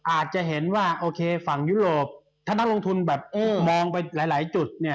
อาจจะเห็นว่าโอเคฝั่งยุโรปถ้านักลงทุนแบบมองไปหลายจุดเนี่ย